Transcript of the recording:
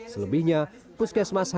selebihnya puskesmas hanya diisi tiga